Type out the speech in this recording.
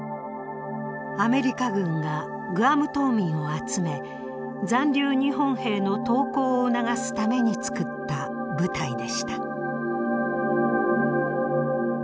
アメリカ軍がグアム島民を集め残留日本兵の投降を促すために作った部隊でした。